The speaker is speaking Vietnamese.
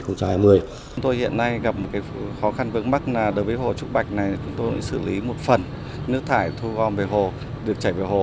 chúng tôi hiện nay gặp một khó khăn vướng mắt đối với hồ trúc bạch này chúng tôi xử lý một phần nước thải thu gom về hồ được chảy về hồ